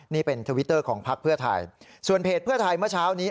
นี่เป็นทวิตเตอร์ของพักเพื่อไทยส่วนเพจเพื่อไทยเมื่อเช้านี้